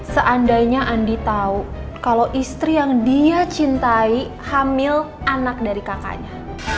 seandainya andi tahu kalau istri yang dia cintai hamil anak dari kakaknya